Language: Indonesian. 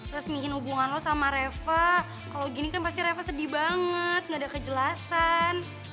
resmiin hubungan lo sama reva kalau gini kan pasti reva sedih banget gak ada kejelasan